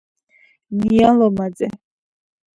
ნია ლომაძე